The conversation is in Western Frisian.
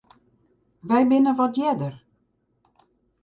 Wy binne wat earder.